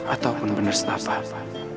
ataupun benar setapak